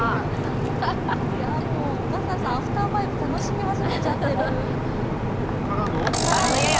小笠原さん、アフター５楽しみ始めちゃってる。